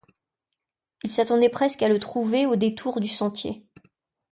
Il s’attendait presque à le trouver, au détour du sentier.